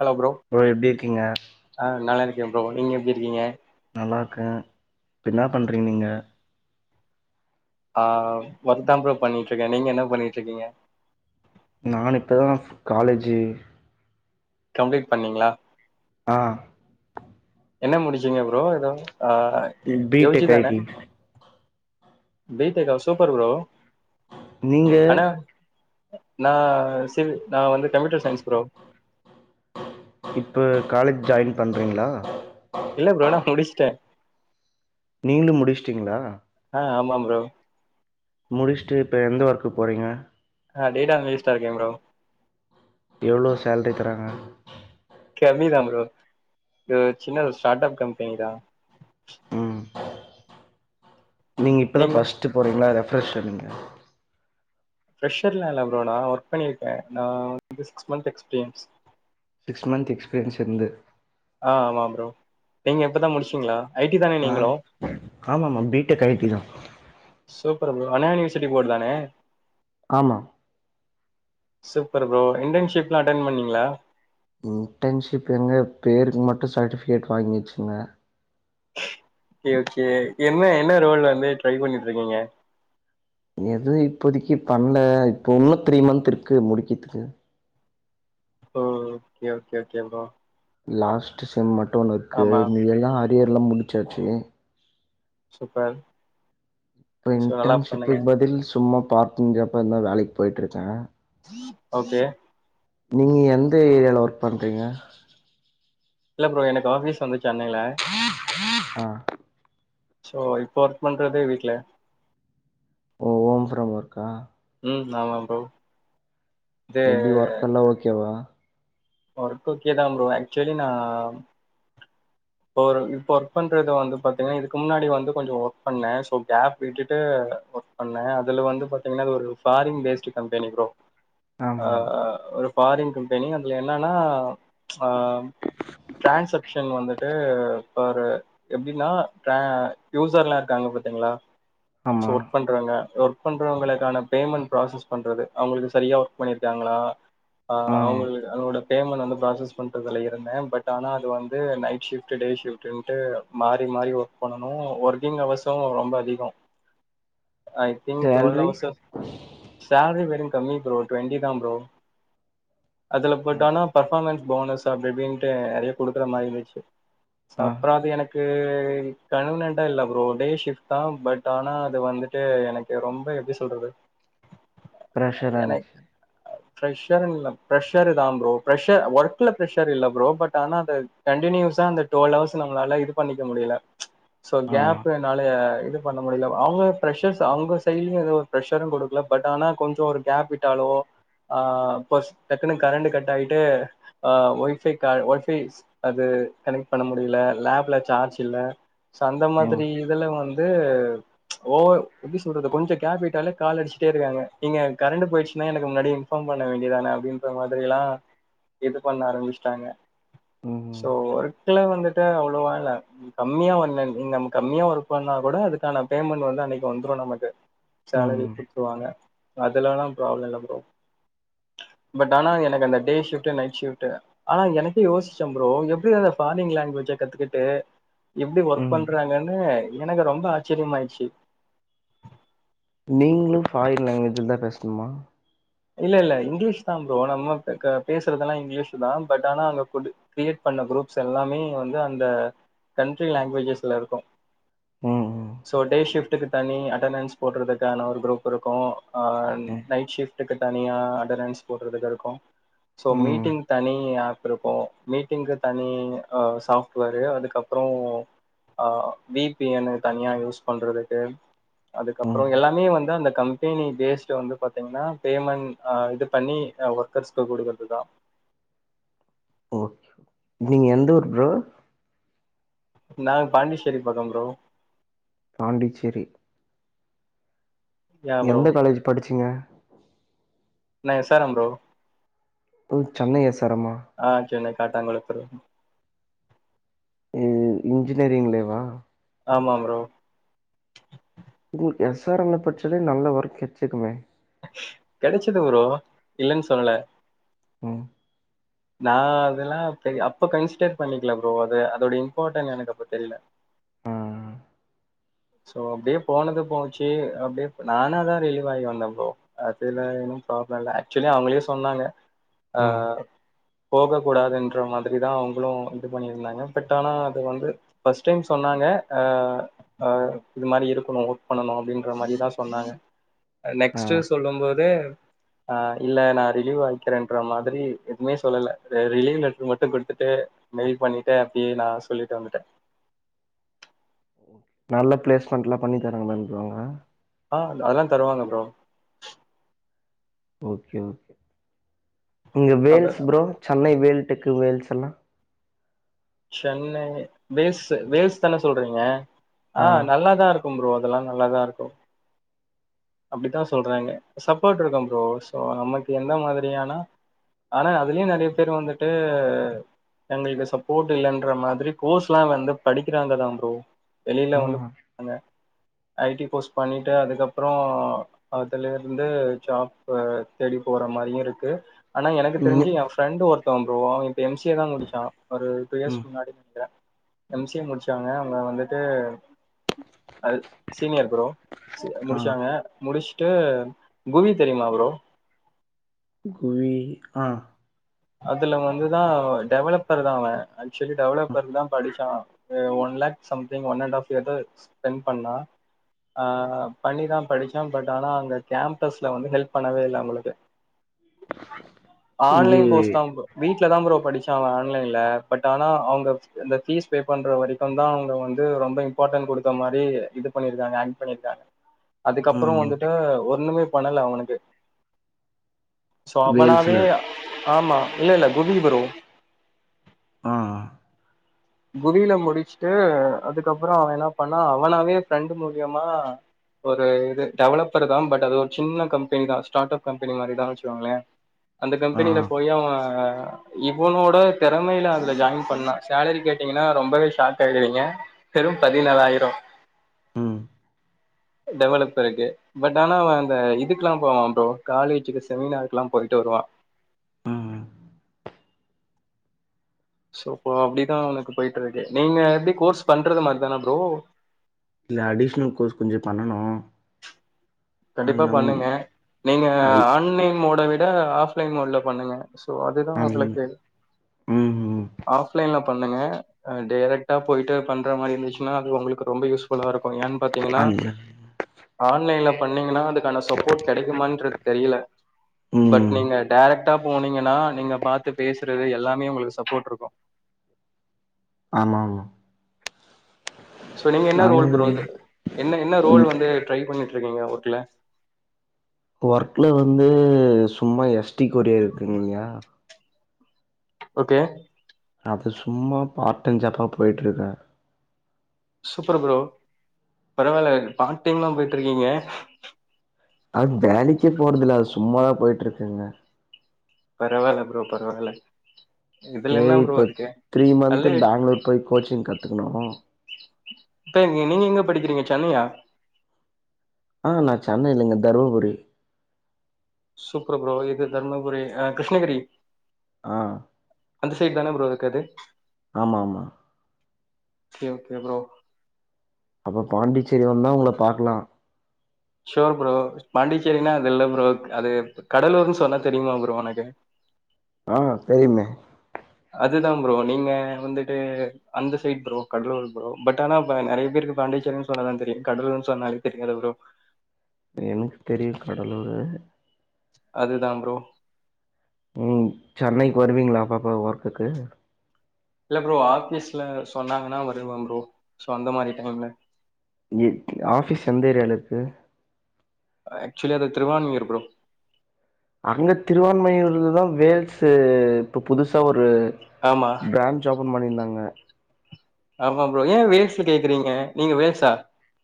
Hello bro எப்டி இருக்கீங்க ஆ நல்லா இருக்கே ப்ரோ நீங்க எப்டி இருக்கீங்க நல்லா இருக்கே இப்ப என்னா பண்றீங்க நீங்க ஆ ஓர்க்தா ப்ரோ பண்ணிட்ருக்கே நீங்க என்ன பண்ணிட்ருக்கிங்க நான் இப்பதா காலேஜு கம்ப்ளீட் பண்ணீங்களா ஆ என்ன முடிச்சீங்க ப்ரோ ஏதோ ஆஹ் பி யூ டெக் ஐ ஜிதானே டி பீ டெக்கா சூப்பர் பரோ நீங்க நா சி நா வந்து கம்ப்யூட்டர் சயின்ஸ் ப்ரோ இப்ப காலேஜ் ஜாயின் பண்றிங்களா இல்ல ப்ரோ நா முடிச்ட்டே நீங்ளு முடிஷ்ட்டீங்ளா ஆமா ப்ரோ முடிஷ்ட்டு இப்ப எந்த ஒர்க்கு போறீங்க அ டேட்டா அனலிஸ்டா இருக்கே ப்ரோ எவ்ளோ சேல்ரி தராங்க கம்மிதா ப்ரோ இது சின்ன ஒரு ஸ்டாட் அப் கம்பெனி தா ம் நீங்க இப்பதா ஃபஸ்ட்டு போறீங்ளா [unintelligible] ஃப்ரெஷர்லா இல்ல ப்ரோ நா‌ ஒர்க் பண்ணியிருக்கே நா வந்து six month experience six month experience இருந்து அ ஆமா ப்ரோ நீங்க இப்பதா முடிச்சீங்ளா ஐடி தானே ஆ நீங்களு ஆமாமா பி டெக் ஐ டி தா சூப்பர் ப்ரோ வனா யூனிவர்சிட்டி போடு தானே ஆமா சூப்பர் ப்ரோ இன்டன்ஷிப்ல்லா அட்டென் பண்ணீங்ளா ம் இன்டன்ஷிப் எங்க பேருக்கு மட்டு சட்டிஃப்கேட் வாங்கி வெச்சுக்ன [inaudible] ஓகே ஓகே என்ன என்ன ரோல் வந்து ட்ரை பண்ணிட்ருக்கீங்க எதுவு இப்போதிக்கி பண்ல இப்போ உன்னோ த்ரீ மந்த்திருக்கு முடிக்கிதுக்கு ஓ okay okay okay bro last sem மட்டு ஒண் இர்க்கு ஆமா மீதி எல்லா அரியர்லா முடிச்சாச்சி சூப்பர் இப்ப ஸோ நல்லா பண்ணுங்க இன்டன்ஷிப்புக் பதில் சும்மா பாட் டைம் ஜாப் எத்னா வேலைக் போய்ட்ருக்கே ஓகே நீங்க எந்த ஏரியால ஒர்க் பண்றீங்க இல்ல ப்ரோ எனக் ஆஃபீஸ் வந்து சென்னைல அ சோ இப்போ ஒர்க் பண்றதே வீட்ல ஓ ஓம் ஃப்ரம் ஒர்க்கா ம் ஆமா ப்ரோ இது எப்பி ஒர்க்கல்லா ஓகேவா ஒர்க் ஓகேதா ப்ரோ ஆக்ச்வலி நா இப்ப ஒரு இப்ப ஒர்க் பண்றது வந்து பாத்தீங்ன்னா இதுக்கு முன்னாடி வந்து கொஞ்சு ஒர்க் பண்ணே சோ கேப் விட்டுட்டு அ ஒர்க் பண்ணே அதுல வந்து பாத்தீங்ன்னா அது ஒரு ஃபாரின் பேஸ்ட்டு கம்பெனி ப்ரோ அ ஆமா அ ஒரு ஃபாரின் கம்பெனி அதுல என்னன்னா ஆ ட்ரான்சப்ஷன் வந்து ட்டு பாரு எப்டீனா ட்ர அ யூசர்ல்லா இருக்காங்க பாத்தீங்களா ஆமா இப்போ ஒர்க் பண்றாங்க ஒர்க் க் பண்றவங்களுக்கான பேமெண் ப்ராசஸ் பண்றது அவுங்களுக்கு சரியா ஒர்க் பண்ணியிருக்காங்களா அ ஆ அவுங்களுக்கு [inaudible] அதனோட பேமெண் வந்து ப்ராசஸ் பண்றதுல இருந்தே பட் ஆனா அது வந்து நைட் ஷிஃப்ட்டு டே ஷிஃப்ட்டுன்டு மாறி மாறி ஒர்க் பண்ணனு ஒர்க்கிங் அவர்சோ ரொம்ப அதிகோ I think twelve salary hours salary வேற கம்மி ப்ரோ ட்வெண்டி தா ப்ரோ அதுல பட் ஆனா பர்ஃபாமன்ஸ் போனஸ் அப்டிப்டீன்ட்டு நெறைய குடுக்குற மாரி இருந்துச்சு சோ ஆ அப்றோ அது எனக்கு அது கன்வினியன்டா இல்ல ப்ரோ டே ஷிஃப் தா பட் ஆனா அது வந்துட்டு எனக்கு ரொம்ப எப்டி சொல்றது அ ப்ரெஷ்ரான்ச்சு ஃப்ரெஷருன் இல்ல ப்ரெஷரு தா ப்ரோ ப்ரெஷர் ஒர்க்ல ப்ர்ரெஷர் இல்ல ப்ரோ பட ஆனா அந்த கண்டினியூஸ் தா அந்த டுவல் அவர்ஸ் நம்மளால இது பண்ணிக்க முடியல சோ ஆமா கேப்னாலயே இது பண்ண முடியல அவங்க ப்ரெஷர் ச அவங்க சைடலயு எதுவு ஒரு ப்ரெஷரு குடுக்கல பட் ஆனா கொஞ்சோ ஒரு கேப் விட்டாலோ ஆ ப்பஸ் டக்குன்னு கரண்ட் கட் ஆயிட்டு அ ஒய்ஃபை க ஒய்ஃபை அது கனெக்ட் பண்ண முடியல லேப்ல சார்ஜ் இல்ல சோ அந்த ம் மாதிரி இதுல வந்து ஓவ எப்டி சொல்றது கொஞ்சொ கேப்பிட்டாலே கால் அடிச்சுட்டே இருக்காங்க ஏங்க கரண்ட் போயிடுச்சுன்னா எனக்கு முன்னாடியே இன்ஃபார்ம் பண்ண வேண்டியதானே அப்படின்ற மாதிரி எல்லா இது பண்ண ஆரம்பிச்சிட்டாங்க சோ ம் ஒரு எடத்துல வந்துட்டு அது அவ்ளோவா இல்ல நீ கம்மியா வண்ணன் நீங் நம்ம கம்மியா ஒர்க் பண்ணா கூட அதுக்கான பேமெண்ட் வந் ல அன்னைக்கு வந்துரு நமக்கு சேலரி ம் குடுத்துருவாங்க அதுலல்லா ப்ராப்ள இல்ல ப்ரோ பட் ஆனா எனக்கு அந்த டே ஷிப்ட் நைட் ஷிப்ட் ஆனா எனக்கே யோசிச்ச ப்ரோ எப்டி எனக் ஃபாரின் லாங்குவேஜ கத்துக்கிட்டு எப்டி ஒர்க் ம் பண்றாங்கன்னு எனக்கு ரொம்ப ஆச்சரியமாயிருச்சு நீங்களு ஃபாரின் லாங்குவேஜ்லதா பேசணுமா? இல்ல இல்ல இங்கிலீஷ்தா ப்ரோ நம்ம ப க பேசுறதெல்லா இங்கிலீஷ்தா பட் ஆனா அங்க கொஞ்சொ கிரியேட் பண் லா குரூப்ஸ் எல்லாமே வந்து அந்த கன்ட்ரி லாங்குவேஜஸ்ல இருக்கு ம் ம் சோ டே ஷிப்டுக்கு தனி அட்டண்டன்ஸ் போடுறதுக்கான ஒரு குரூப் இருக்கு அ ம் நைட் ஷிஃப் டுக்கு தனியா அட்டன்டன்ஸ் போடுறதுக்கு இருக்கு சோ ம் மீட்டிங் தனி ஆப் இருக்கு மீட்டிங்கு தனி அ சாப்ட்வேரு அதுக்கப்பறொ ஆ வி பி என் தனியா யூஸ் பண்றதுக்கு அதுக்கப்பறொ ம் எல்லாமே வந்து அந்த கம்பெனி பேஸ வந்து பாத்தீங்கன்னா பேமெண்ட் ஆ இது பண்ணி அ ஒர்க்கர்ஸ்கு குடுக்கறதுதா ஓ நீங்க எந்த ஊர் ப்ரோ? நாங்க பாண்டிச்சேரி பக்கம் ப்ரோ. பாண்டிச்சேரி யா ப்ரோ எந்த காலேஜ் படிச்சீங்க? நா எஸ் ஆர் எம் ப்ரோ போ சென்னை எஸ் ஆர் எம் ஆ சென்னை காட்டாங்கொளத்துருல இ இன்ஜினியரிங்லேவா ஆமாம் ப்ரோ உங்களுக்கு எஸ் ஆர் எம் ல படிச்சதே நல்ல ஒர்க் கெடச்சுர்க்குமே கெடைச்சுது பரோ இல்லன்னு சொல்லல ம் நா அதெல்லா பெரிய அப்ப கன்சிடர் பண்ணிக்கல ப்ரோ அது அதோட இம்பார்ட்டன் எனக்கு அப்ப தெரியல ம் சோ அப்டியே போனது போச்சு அப்டியே நானாதா ரிலிவாகி வந்த ப்ரோ அதுல ப்ராப்ளம் இல்ல ஆக்சுவலி அவங்களே சொன்னாங்க ஆ ம் போகக் கூடாதுன்ற மாதிரிதா அவங்களு இது பண்ணியிருந்தாங்க பட் ஆனா அது வந்து ஃபஸ்ட் டைம் சொன் னாங்க அ அ இது மாரி இருக்கணு ஒர்க் பண்ணணு அப்படின்ற மாரிதா சொன்னாங்க. ஆ நெக்ஸ்ட் சொல்லும் போது ஆ இல்ல நா ரிலீவ் ஆகிக்கிறேன்ற மாதிரி எதுவுமே சொல்லல ர ரிலீவ் லெட்டர் மட்டு குடுத்துட்டு மெயில் பண்ணிட்டு அப்டியே நா சொல்லிட்டு வந்துட்டே நல்ல பிளேஸ்மெண்ட்ல்லா பண்ணி தருவாங்கலாங் ப்ரோ அவங்க ஆ அதெல்லா தருவாங்க ப்ரோ ஓகே ஓகே நீங்க அத வேல்ஸ் ப்ரோ சென்னை வேல்ட்டுக்கு வேல்ஸ்ஸெல்லா சென்னை வேல்ஸ் வேஸ் தான சொல்றீங்க ஆ நல்லாதா இருக்கும் ப்ரோ அதெல்லா நல்லாதா இருக்கு அப்டித்தா சொல்றாங்க சப்போர்ட் இருக்கு ப்ரோ சோ நமக்கு எந்த மாதிரியானா ஆனா அதுலயு நெறைய பேரு வந்துட்டு எங்களுக்கு சப்போர்ட் இல்லன்ற மாதிரி கோர்ஸ்ல்லா வந்து படிக்கிறாங்க தா ப்ரோ வெளில வந்து ம் [inaudible] ஐ டி கோர்ஸ் பண்ணிட்டு அதுக்கப்றோ அதுல இருந்து ஜாப்பு தேடி போற மாரியு இருக்கு ஆனா எனக்கு தெருஞ்சு ம் என் ஃப்ரெண்ட் ஃப்ரண்டு ஒருத்தவ ப்ரோ அவெ இப்ப எம் சி ஏ தா முடுச்சா ஒரு டூ இயர்ஸ் ம் முன்னாடின் நெனைகிறே எம் சி ஏ முடுச்சாங்க அவுங்க வந்துட்டு அது சீனியர் ப்ரோ சி ஆ முடுச் ச்சாங்க முடுஸ்ட்டு குவி தெரியுமா ப்ரோ குவி ஆ அதுல வந்துதா டெவலப்பரு தா அவே ஆக்சுவலி ஆ. டெவலப்பர்க்கு தா படுச்சா அ one lakh something one and half இது ஸ்பெண்ட் பண்ணா ஆ பண்ணிதா படுச்சா பட் ஆனா அங்க கேம்பஸ்ல வந்து ஹெல்ப் பண்ணவே இல்ல அவ்ங்களுக்கு இது வீட்ல தா ப்ரோ படுச்சா அவே ஆன்லைன்ல பட் ஆனா அவுங்க இந்த பீஸ் பே பண்ற வரைக்கு தா அவுங்க வந்து ரொம்ப இம்பார்ட்டன்ட் குடுத்த மாதிரி இது பண்ணிருக்காங்க ஆக்ட் பண்ணிருக்காங்க அதுக்கப்றோ ம் வந்துட்டு ஒண்ணுமே பண்ணல அவனுக்கு சோ அவனாவே வேல்ஸ்ல ஆமா இல்லல்ல குவி ப்ரோ ஆ ஆ குவில முடுச்ட்டு அதுக்கப்பறோ அவே என்ன பண்ணா அவனாவே ஃப்ரண்ட் மூலியமா ஒரு இது டெவலப்பரு தா பட் அது ஒரு சின்ன கம்பெனி தா ஸ்டார்ட் அப் கம்பெனி மாரிதா வச்சுக்கோங்களே அந்த ஆ கம்பெனில போய் அவே இவனோட தெறமைல அதுல ஜாய்ன் பண்ணா சேலரி கேட் டீங்கன்னா ரொம்பவே ஷாக் ஆய்டுவீங்க வெறும் பதினாலாயிரோ ம் டெவலப் இருக்கு பட் ஆனா அவே அந்த இதுக்கெல்லா போவா ப்ரோ காலேஜுக்கு செமினார்கலா போய்ட்டு [unintelligible] ம் ம் சோ அப்டிதா அவனுக்கு போய்ட்டு இருக்கு நீங்க எப்டி கோர்ஸ் பண்றது மாரிதானா ப்ரோ இல்ல அடிஷ்னல் கோர்ஸ் கொஞ்ச பண்ணனு அது கண்டிப்பா நம் பண்ணுங்க நீங்க அது ஆன்லைன் மோட விட ஆஃப்லைன் மோட்ல பண்ணுங்க சோ அதுதா அது அவளுக்கு ம் ம் ஆஃப்லைன்ல பண்ணுங்க டேரக்டா போய்ட்டு பண்ற மாரி இருந்துச்சுன்னா அது உங்களுக்கு ரொம்ப யூஸ்ஃபுல்லா இருக் கு ஏன் பாத்தீங்கன்னா அந்த ஆன்லைன்ல பண்ணீங்கன்னா அதுக்கான சப்போர்ட் கெடைக்குமான்றது தெரியல பட் ம் நீங்க டேரக்ட் டா போனீங்கன்னா நீங்க பாத்து பேசுறது எல்லாமே ஒங்களுக்கு சப்போர்ட் இருக்கு ஆமா ஆமா சோ நீங்க என்ன நானு ரோல் ப்ரோ இது என்ன என்ன ரோல் ம் வந்து ட்ரை பண்ணிட் டிருக்கீங்க ஒர்க்குல ஒர்க்ல வந்து சும்மா எஸ் டி கொரியர் இருக்குங் இல்லயா ஓகே அது சும்மா பார்ட் டைம் ஜாப்பா போய்ட்டு இருக்கே சூப்பர் ப்ரோ பரவால்ல பார்ட் டைம்லா போய்ட்டிருக்கீங்க அது வேலைக்கே போறதில்ல அது சும்மாதா போய்ட்ருக்கேங்க பரவால்ல ப்ரோ பரவால்ல இதுல சேரி என்ன ப்ரோ இப்போ இருக்கு? த்ரீ நல்ல மந்த்து பேங்ளூர் போய் கோச்சிங் கத்துக்கணு இப்ப நீங்க எங்க படிக்கிறீங்க சென்னையா ஆஹ நா சென்னை இல்லைங்க தருமபுரி சூப்பர் ப்ரோ இது தருமபுரி ஆ கிருஷ்ணகிரி ஆ அந்த சைட் தான ப்ரோ இருக்கு அது ஆமா ஆமா ஓகே ப்ரோ அப்ப பாண்டிச்சேரி வந்தா உங்கள பாக்கலா ஷோர் ப்ரோ பாண்டிச்சேரினா அது இல்ல ப்ரோ அது கடலூர்னு சொன்னா தெரியுமா ப்ரோ ஒனக்கு ஆ தெரியுமே அதுதா ப்ரோ நீங்க வந்துட்டு அந்த side bro Cuddalore bro but ஆனா இப்ப நெறைய பேருக்கு பாண்டிச் சின் சொன்னாதா தெரியு கடலூர்ன் சொன்னாலு தெரியாது ப்ரோ அ எனக்கு தெரியு கடலூரு அதுதா ப்ரோ ம் சென்னைக்கு வருவீங்ளா அப்பப்ப ஒர்க்குக்கு இல்ல ப்ரோ ஆஃபீஸ்ல சொன்னாங்கனா வருவே ப்ரோ சோ அந்த மாரி டைம்ல எங்கெருக்கு ஆஃபீஸ் எந்த ஏரியால இருக்கு ஆக்சுவ்லா அது திருவான்யூர் ப்ரோ அங்க திருவான்மையூர்லதா வேல்ஸு இப்ப புதுசா ஒரு ஆமா ப்ரான்ச் ஓப்பன் பண்ணிருந்தாங்க ஆமா ப்ரோ ஏ வேல்ஸு கேக்குறீங்க நீங்க வேல்ஸா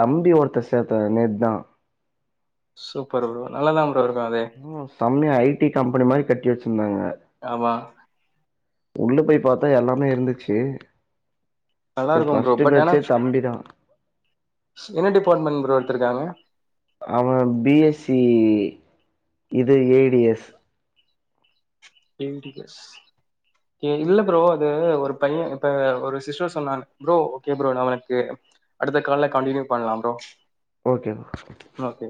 தம்பி ஒருத்த சேத்தா நேத் தா சூப்பர் ப்ரோ நல்லாதாங் ம் செம்மையா ஐ டி கம்பெனி மாரி கட்டி வெச்சிருந்தாங்க ஆமா உள்ள போய் பாத்தா எல்லாமே இருந்துச்சு அதெல்லா சரி இருக்கு ப்ரோ ஃபர்ஸ்ட்டு பட் ஆனா பேட்ச்சே தம்பி தா ஃப் என்ன டிபார்ட்மெண்ட் ப்ரோ இருக்காங்க அவ பி எஸ் சி இது ஏ டி எஸ் உங்கிட்ட இல்ல ப்ரோ அதோட ஒரு பைய இப்ப ஒரு சிஸ்டர் சொன்னாங்க ப்ரோ ஓகே ப்ரோ நா அவனுக்கு அடுத்த கால்ல கண்ட்டினியூ பண்லா ப்ரோ ஓகேங் ஓகே